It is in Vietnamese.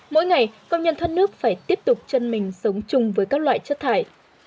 mỗi ngày công nhân thoát nước phải tiếp tục chân mình sống chung với các loại chất thải